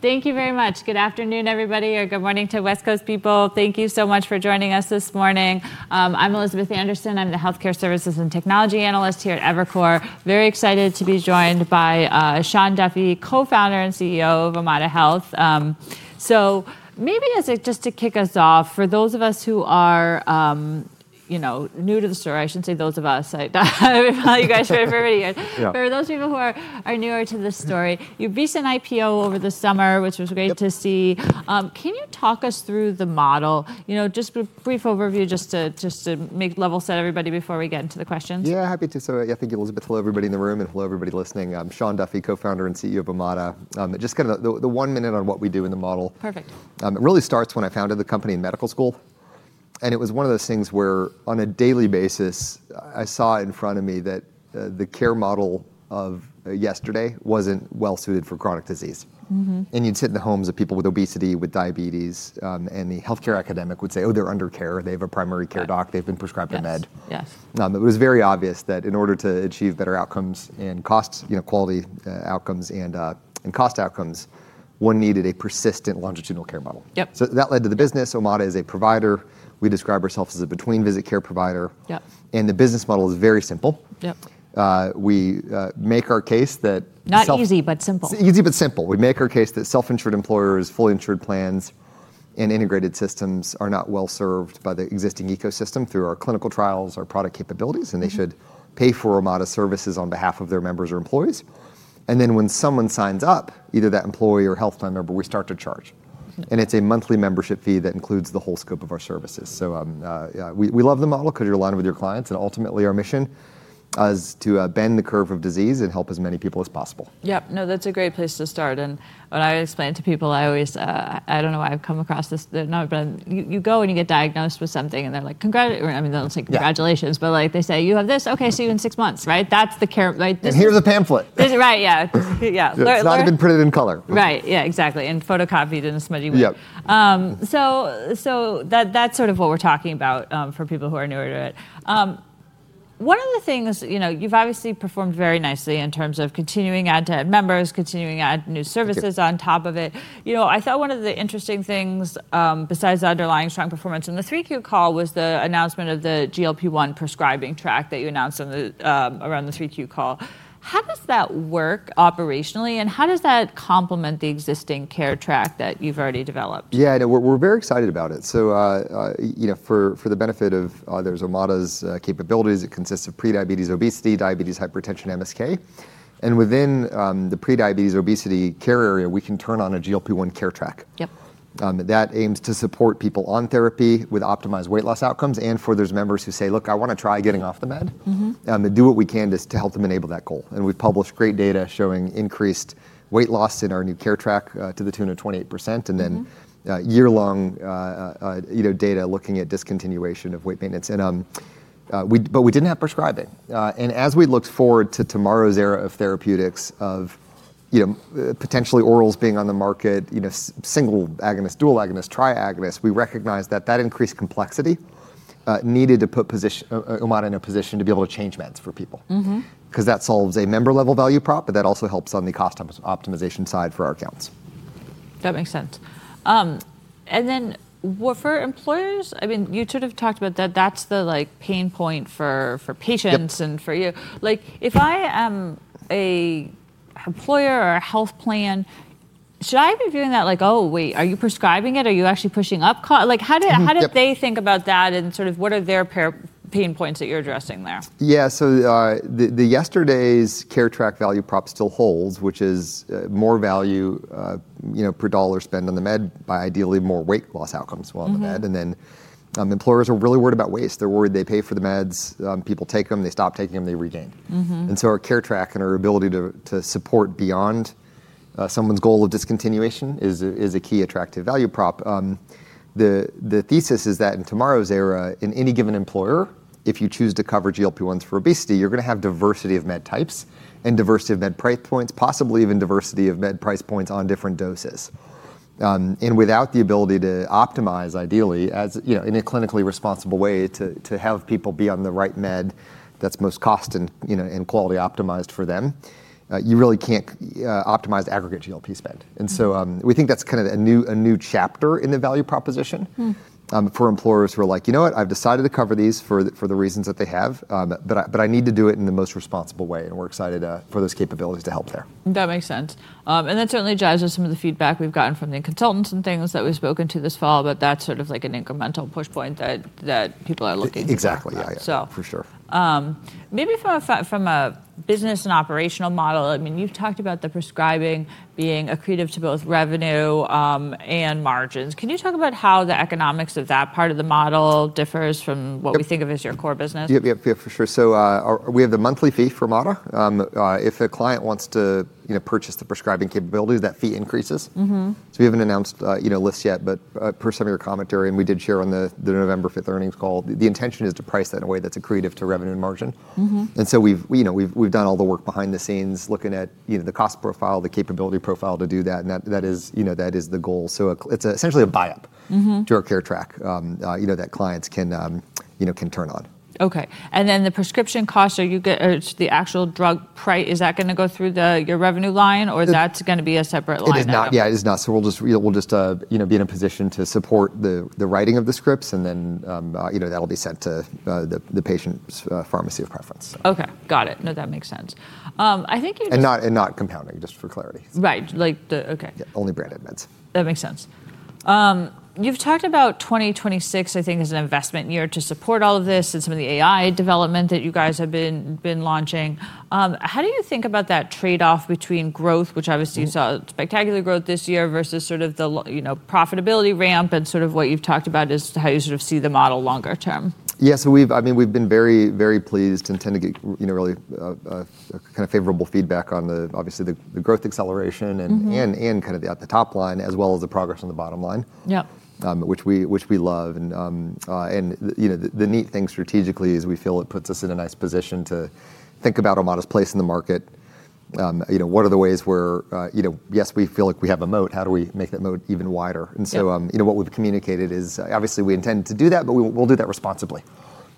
Thank you very much. Good afternoon, everybody, or good morning to West Coast people. Thank you so much for joining us this morning. I'm Elizabeth Anderson. I'm the Health Care Services and Technology Analyst here at Evercore. Very excited to be joined by Sean Duffy, Co-founder and CEO of Omada Health, so maybe just to kick us off, for those of us who are new to the story. For those people who are newer to the story, your recent IPO over the summer, which was great to see. Can you talk us through the model? Just a brief overview, just to level-set everybody before we get into the questions. Yeah, happy to. So I think, Elizabeth, hello everybody in the room, and hello everybody listening. I'm Sean Duffy, co-founder and CEO of Omada. Just kind of the one minute on what we do in the model. Perfect. It really starts when I founded the company in medical school, and it was one of those things where, on a daily basis, I saw in front of me that the care model of yesterday wasn't well suited for chronic disease, and you'd sit in the homes of people with obesity, with diabetes, and the health care academic would say, oh, they're under care. They have a primary care doc. They've been prescribed a med. Yes. It was very obvious that in order to achieve better outcomes and quality outcomes and cost outcomes, one needed a persistent longitudinal care model. So that led to the business. Omada is a provider. We describe ourselves as a between-visit care provider. And the business model is very simple. We make our case that. Not easy, but simple. Easy, but simple. We make our case that self-insured employers, fully insured plans, and integrated systems are not well served by the existing ecosystem through our clinical trials, our product capabilities, and they should pay for Omada services on behalf of their members or employees, and then when someone signs up, either that employee or health plan member, we start to charge, and it's a monthly membership fee that includes the whole scope of our services, so we love the model because you're aligned with your clients, and ultimately, our mission is to bend the curve of disease and help as many people as possible. Yep. No, that's a great place to start. And when I explain to people, I always I don't know why I've come across this. You go and you get diagnosed with something, and they're like, congratulations. I mean, they'll say, congratulations. But they say, you have this. OK, see you in six months. Right? That's the care. Here's a pamphlet. Right, yeah. It's long been printed in color. Right, yeah, exactly. And photocopied in a smudgy way. So that's sort of what we're talking about for people who are newer to it. One of the things you've obviously performed very nicely in terms of continuing to add members, continuing to add new services on top of it. I thought one of the interesting things, besides the underlying strong performance in the 3Q call, was the announcement of the GLP-1 prescribing track that you announced around the 3Q call. How does that work operationally, and how does that complement the existing Care Track that you've already developed? Yeah, we're very excited about it. So, for the benefit of, there's Omada's capabilities. It consists of prediabetes, obesity, diabetes, hypertension, MSK, and within the prediabetes, obesity care area, we can turn on a GLP-1 Care Track. Yep. That aims to support people on therapy with optimized weight loss outcomes. And for those members who say, look, I want to try getting off the med, do what we can to help them enable that goal. And we've published great data showing increased weight loss in our new Care Track to the tune of 28%, and then year-long data looking at discontinuation of weight maintenance. But we didn't have prescribing. And as we look forward to tomorrow's era of therapeutics, of potentially orals being on the market, single agonist, dual agonist, tri-agonist, we recognize that that increased complexity needed to put Omada in a position to be able to change meds for people. Because that solves a member-level value prop, but that also helps on the cost optimization side for our accounts. That makes sense. And then for employers, I mean, you sort of talked about that that's the pain point for patients and for you. If I am an employer or a health plan, should I be viewing that like, oh, wait, are you prescribing it? Are you actually pushing up costs? How do they think about that, and sort of what are their pain points that you're addressing there? Yeah, so the yesterday's Care Track value prop still holds, which is more value per dollar spent on the med by ideally more weight loss outcomes while on the med. And then employers are really worried about waste. They're worried they pay for the meds. People take them. They stop taking them. They regain. And so our Care Track and our ability to support beyond someone's goal of discontinuation is a key attractive value prop. The thesis is that in tomorrow's era, in any given employer, if you choose to cover GLP-1s for obesity, you're going to have diversity of med types and diversity of med price points, possibly even diversity of med price points on different doses. And without the ability to optimize, ideally, in a clinically responsible way, to have people be on the right med that's most cost and quality optimized for them, you really can't optimize aggregate GLP spend. And so we think that's kind of a new chapter in the value proposition for employers who are like, you know what, I've decided to cover these for the reasons that they have, but I need to do it in the most responsible way. And we're excited for those capabilities to help there. That makes sense, and that certainly jibes with some of the feedback we've gotten from the consultants and things that we've spoken to this fall, but that's sort of like an incremental push point that people are looking for. Exactly, yeah, yeah, for sure. Maybe from a business and operational model, I mean, you've talked about the prescribing being accretive to both revenue and margins. Can you talk about how the economics of that part of the model differs from what we think of as your core business? Yeah, for sure. So we have the monthly fee for Omada. If a client wants to purchase the prescribing capability, that fee increases. So we haven't announced prices yet, but per some of your commentary, and we did share on the November 5 earnings call, the intention is to price that in a way that's accretive to revenue and margin. And so we've done all the work behind the scenes looking at the cost profile, the capability profile to do that. And that is the goal. So it's essentially a buy up to our Care Track that clients can turn on. OK. And then the prescription cost, or the actual drug price, is that going to go through your revenue line, or is that going to be a separate line? It is not. Yeah, it is not, so we'll just be in a position to support the writing of the scripts, and then that'll be sent to the patient's pharmacy of preference. OK, got it. No, that makes sense. I think. Not compounding, just for clarity. Right, like the OK. Only branded meds. That makes sense. You've talked about 2026, I think, as an investment year to support all of this and some of the AI development that you guys have been launching. How do you think about that trade-off between growth, which obviously you saw spectacular growth this year, versus sort of the profitability ramp and sort of what you've talked about as how you sort of see the model longer term? Yeah, so I mean, we've been very, very pleased and tend to get really kind of favorable feedback on, obviously, the growth acceleration and kind of the top line, as well as the progress on the bottom line, which we love, and the neat thing strategically is we feel it puts us in a nice position to think about Omada's place in the market. What are the ways where, yes, we feel like we have a moat? How do we make that moat even wider, and so what we've communicated is, obviously, we intend to do that, but we'll do that responsibly.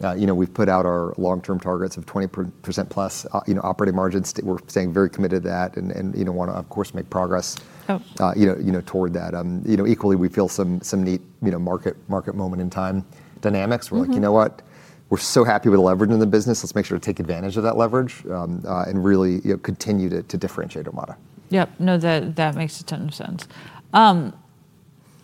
We've put out our long-term targets of 20% plus operating margins. We're staying very committed to that and want to, of course, make progress toward that. Equally, we feel some neat market moment in time dynamics. We're like, you know what, we're so happy with the leverage in the business. Let's make sure to take advantage of that leverage and really continue to differentiate Omada. Yep, no, that makes a ton of sense.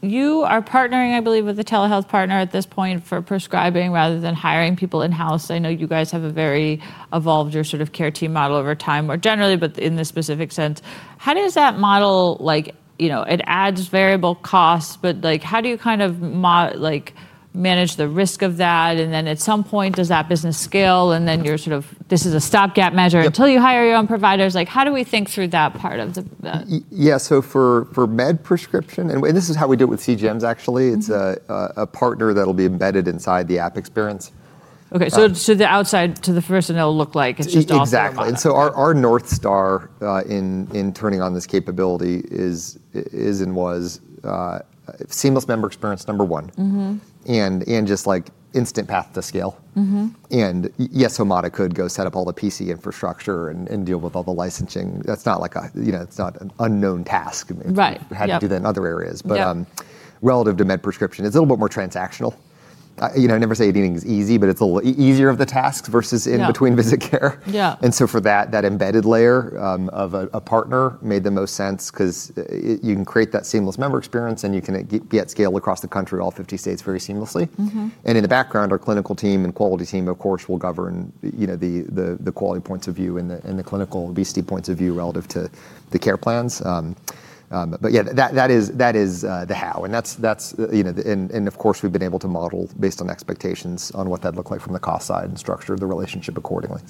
You are partnering, I believe, with a telehealth partner at this point for prescribing rather than hiring people in-house. I know you guys have a very evolved sort of care team model over time, more generally, but in this specific sense. How does that model like it adds variable costs, but how do you kind of manage the risk of that? And then at some point, does that business scale? And then you're sort of this is a stopgap measure until you hire your own providers. How do we think through that part of the? Yeah, so for med prescription, and this is how we do it with CGMs, actually. It's a partner that'll be embedded inside the app experience. OK, so the outside to the person, it'll look like. It's just offline. Exactly. And so our North Star in turning on this capability is and was seamless member experience number one and just like instant path to scale. And yes, Omada could go set up all the PC infrastructure and deal with all the licensing. That's not. It's not an unknown task. We had to do that in other areas. But relative to med prescription, it's a little bit more transactional. I never say anything is easy, but it's a little easier of the tasks versus in between-visit care. And so for that, that embedded layer of a partner made the most sense because you can create that seamless member experience, and you can get scaled across the country, all 50 states, very seamlessly. And in the background, our clinical team and quality team, of course, will govern the quality points of view and the clinical obesity points of view relative to the care plans. But yeah, that is the how. And of course, we've been able to model based on expectations on what that looked like from the cost side and structure of the relationship accordingly.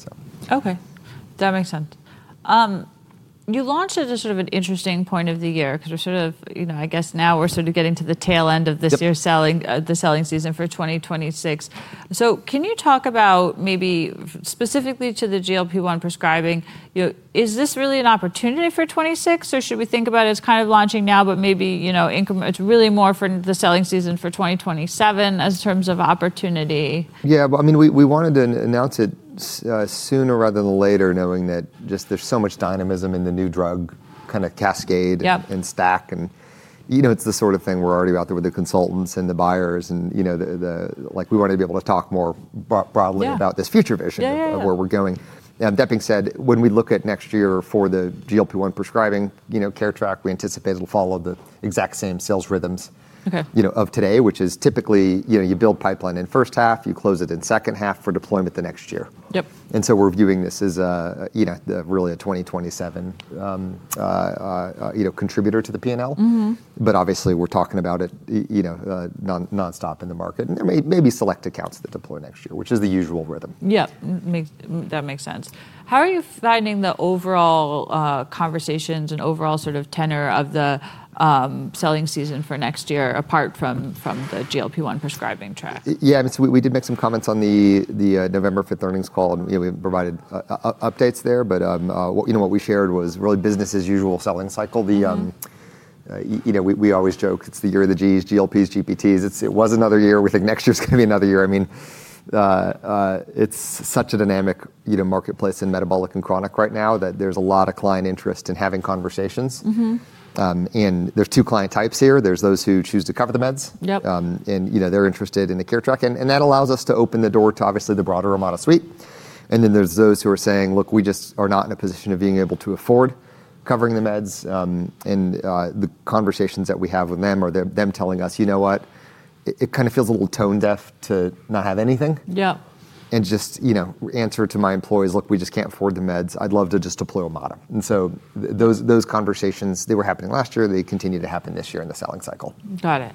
OK, that makes sense. You launched at sort of an interesting point of the year because we're sort of, I guess now we're sort of getting to the tail end of this year, the selling season for 2026. So can you talk about maybe specifically to the GLP-1 prescribing, is this really an opportunity for 2026, or should we think about it as kind of launching now, but maybe it's really more for the selling season for 2027 in terms of opportunity? Yeah, I mean, we wanted to announce it sooner rather than later, knowing that just there's so much dynamism in the new drug kind of cascade and stack, and it's the sort of thing we're already out there with the consultants and the buyers, and we wanted to be able to talk more broadly about this future vision of where we're going. That being said, when we look at next year for the GLP-1 prescribing Care Track, we anticipate it'll follow the exact same sales rhythms of today, which is typically you build pipeline in first half, you close it in second half for deployment the next year, and so we're viewing this as really a 2027 contributor to the P&L, but obviously, we're talking about it nonstop in the market, and there may be select accounts that deploy next year, which is the usual rhythm. Yep, that makes sense. How are you finding the overall conversations and overall sort of tenor of the selling season for next year, apart from the GLP-1 prescribing track? Yeah, I mean, so we did make some comments on the November 5 earnings call. We provided updates there, but what we shared was really business as usual selling cycle. We always joke it's the year of the Gs, GLPs, GPTs. It was another year. We think next year is going to be another year. I mean, it's such a dynamic marketplace in metabolic and chronic right now that there's a lot of client interest in having conversations, and there's two client types here. There's those who choose to cover the meds, and they're interested in the Care Track, and that allows us to open the door to, obviously, the broader Omada suite, and then there's those who are saying, look, we just are not in a position of being able to afford covering the meds. The conversations that we have with them are them telling us, you know what, it kind of feels a little tone deaf to not have anything. Yeah. And just answer to my employees, "Look, we just can't afford the meds." I'd love to just deploy Omada. And so those conversations, they were happening last year. They continue to happen this year in the selling cycle. Got it.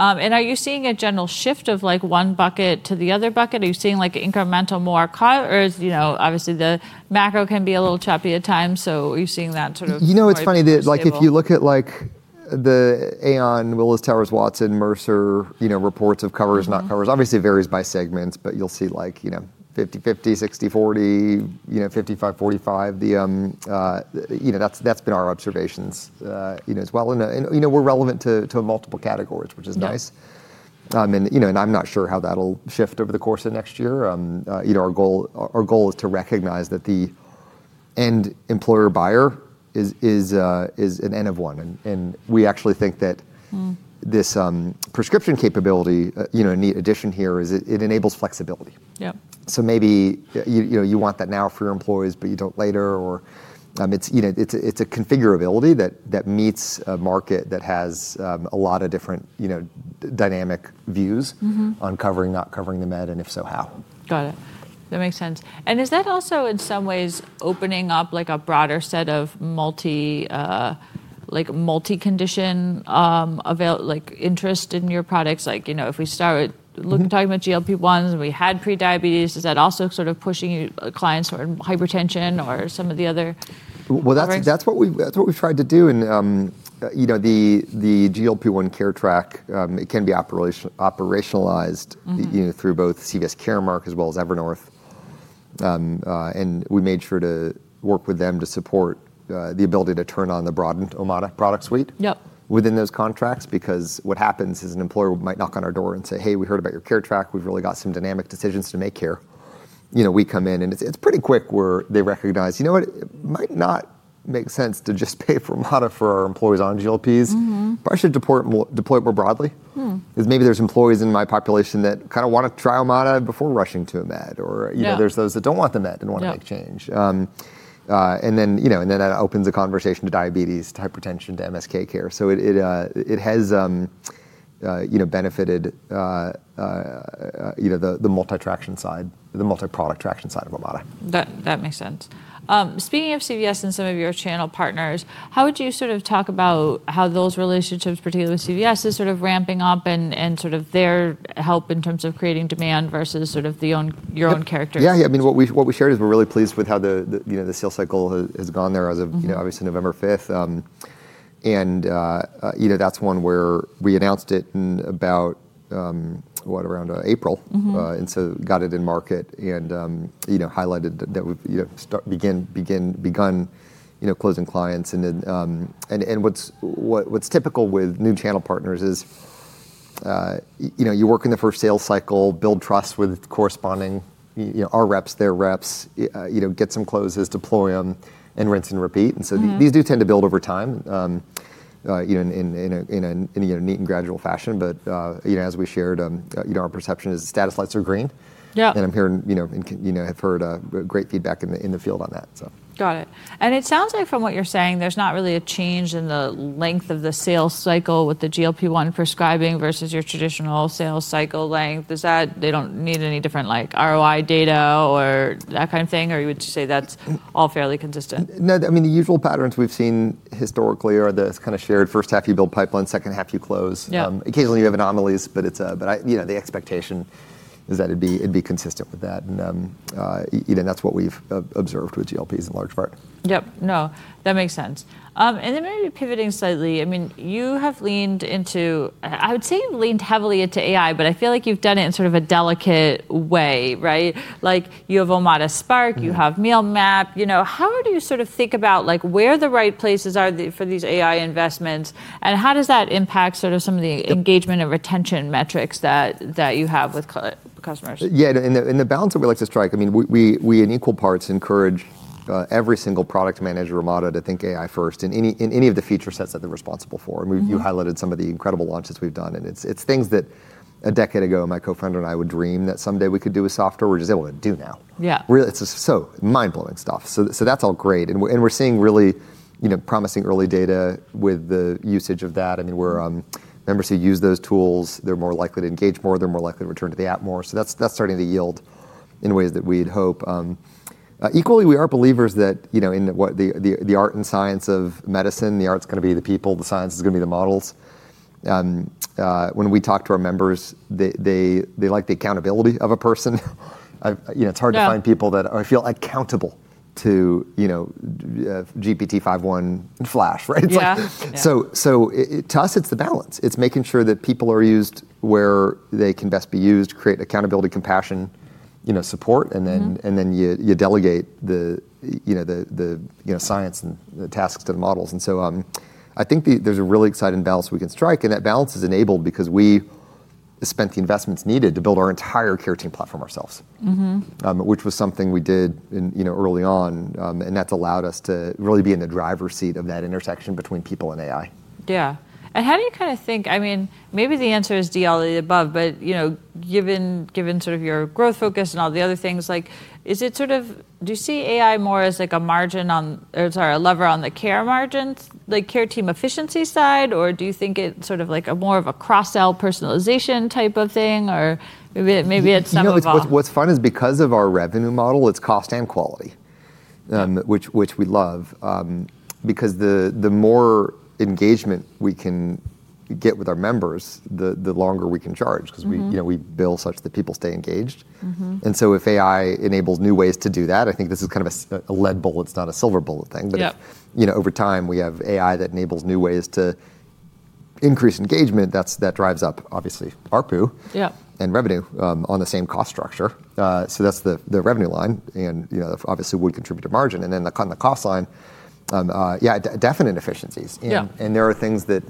And are you seeing a general shift of one bucket to the other bucket? Are you seeing incremental more? Or obviously, the macro can be a little choppy at times. So are you seeing that sort of? You know, it's funny that if you look at the Aon, Willis Towers Watson, Mercer reports on coverage, not coverage, obviously varies by segments, but you'll see like 50/50, 60/40, 55/45. That's been our observations as well, and we're relevant to multiple categories, which is nice. I'm not sure how that'll shift over the course of next year. Our goal is to recognize that the end employer buyer is an end of one. And we actually think that this prescription capability, a neat addition here, is that it enables flexibility. So maybe you want that now for your employees, but you don't later. Or it's a configurability that meets a market that has a lot of different dynamic views on covering, not covering the med, and if so, how. Got it. That makes sense. And is that also in some ways opening up a broader set of multi-condition interest in your products? Like if we start talking about GLP-1s and we had prediabetes, is that also sort of pushing clients toward hypertension or some of the other? Well, that's what we've tried to do. And the GLP-1 Care Track, it can be operationalized through both CVS Caremark as well as Evernorth. And we made sure to work with them to support the ability to turn on the broadened Omada product suite within those contracts. Because what happens is an employer might knock on our door and say, hey, we heard about your Care Track. We've really got some dynamic decisions to make here. We come in, and it's pretty quick where they recognize, you know what, it might not make sense to just pay for Omada for our employees on GLPs, but I should deploy it more broadly. Because maybe there's employees in my population that kind of want to try Omada before rushing to a med. Or there's those that don't want the med and want to make change. And then that opens a conversation to diabetes, to hypertension, to MSK care. So it has benefited the multi-traction side, the multi-product traction side of Omada. That makes sense. Speaking of CVS and some of your channel partners, how would you sort of talk about how those relationships, particularly with CVS, is sort of ramping up and sort of their help in terms of creating demand versus sort of your own character? Yeah, I mean, what we shared is we're really pleased with how the sales cycle has gone there as of obviously November 5. And that's one where we announced it about, what, around April. And so got it in market and highlighted that we've begun closing clients. And what's typical with new channel partners is you work in the first sales cycle, build trust with corresponding our reps, their reps, get some closes, deploy them, and rinse and repeat. And so these do tend to build over time in a neat and gradual fashion. But as we shared, our perception is status lights are green. And I'm hearing and have heard great feedback in the field on that. Got it. And it sounds like from what you're saying, there's not really a change in the length of the sales cycle with the GLP-1 prescribing versus your traditional sales cycle length. They don't need any different ROI data or that kind of thing? Or would you say that's all fairly consistent? No, I mean, the usual patterns we've seen historically are this kind of shared first half you build pipeline, second half you close. Occasionally, you have anomalies, but the expectation is that it'd be consistent with that. And that's what we've observed with GLPs in large part. Yep, no, that makes sense. And then maybe pivoting slightly, I mean, you have leaned into, I would say you've leaned heavily into AI, but I feel like you've done it in sort of a delicate way, right? Like you have OmadaSpark, you have Meal Map. How do you sort of think about where the right places are for these AI investments, and how does that impact sort of some of the engagement and retention metrics that you have with customers? Yeah, and the balance that we like to strike, I mean, we in equal parts encourage every single product manager at Omada to think AI first in any of the feature sets that they're responsible for. And you highlighted some of the incredible launches we've done. And it's things that a decade ago, my co-founder and I would dream that someday we could do with software. We're just able to do now. It's just so mind-blowing stuff. So that's all great. And we're seeing really promising early data with the usage of that. I mean, where members who use those tools, they're more likely to engage more. They're more likely to return to the app more. So that's starting to yield in ways that we'd hope. Equally, we are believers that in the art and science of medicine, the art's going to be the people. The science is going to be the models. When we talk to our members, they like the accountability of a person. It's hard to find people that feel accountable to GPT-5.1 and Flash, right? So to us, it's the balance. It's making sure that people are used where they can best be used, create accountability, compassion, support, and then you delegate the science and the tasks to the models. And so I think there's a really exciting balance we can strike. And that balance is enabled because we spent the investments needed to build our entire care team platform ourselves, which was something we did early on. And that's allowed us to really be in the driver's seat of that intersection between people and AI. Yeah. And how do you kind of think, I mean, maybe the answer is the above, but given sort of your growth focus and all the other things, is it sort of, do you see AI more as like a margin on, or sorry, a lever on the care margins, like care team efficiency side? Or do you think it's sort of like more of a cross-sell personalization type of thing? Or maybe it's something along. What's fun is because of our revenue model, it's cost and quality, which we love, because the more engagement we can get with our members, the longer we can charge, because we bill such that people stay engaged, and so if AI enables new ways to do that, I think this is kind of a lead bullet. It's not a silver bullet thing, but over time, we have AI that enables new ways to increase engagement. That drives up, obviously, our ARPU and revenue on the same cost structure, so that's the revenue line, and obviously, it would contribute to margin, and then on the cost line, yeah, definite efficiencies, and there are things that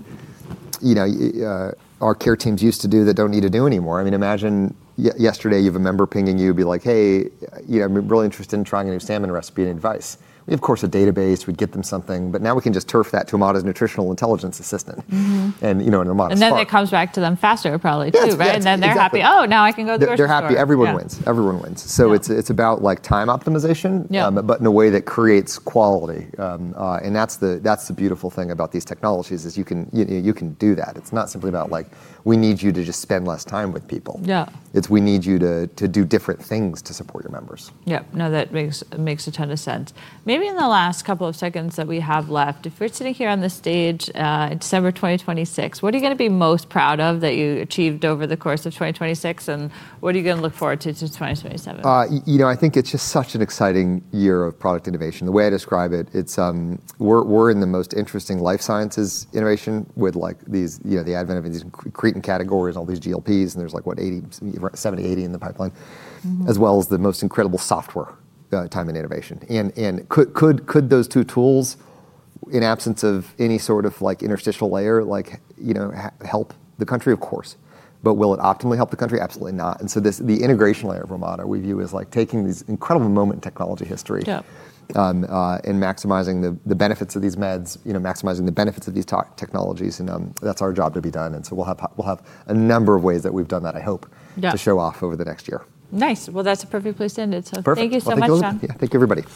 our care teams used to do that don't need to do anymore. I mean, imagine yesterday you have a member pinging you, be like, "Hey, I'm really interested in trying a new salmon recipe and advice." We, of course, a database. We'd get them something. But now we can just turf that to Omada's nutritional intelligence assistant. And Omada's fine. And then it comes back to them faster, probably, too, right? And then they're happy, oh, now I can go to the rest of the. They're happy. Everyone wins. Everyone wins. So it's about time optimization, but in a way that creates quality. And that's the beautiful thing about these technologies is you can do that. It's not simply about like, we need you to just spend less time with people. It's we need you to do different things to support your members. Yep, no, that makes a ton of sense. Maybe in the last couple of seconds that we have left, if we're sitting here on the stage in December 2026, what are you going to be most proud of that you achieved over the course of 2026? And what are you going to look forward to in 2027? You know, I think it's just such an exciting year of product innovation. The way I describe it, we're in the most interesting life sciences innovation with the advent of these incretin categories and all these GLPs. And there's like, what, 70-80 in the pipeline, as well as the most incredible software time in innovation. And could those two tools, in absence of any sort of interstitial layer, help the country? Of course. But will it optimally help the country? Absolutely not. And so the integration layer of Omada, we view as like taking this incredible moment in technology history and maximizing the benefits of these meds, maximizing the benefits of these technologies. And that's our job to be done. And so we'll have a number of ways that we've done that, I hope, to show off over the next year. Nice. Well, that's a perfect place to end it. So thank you so much, Sean. Perfect. Thank you. Thank you, everybody.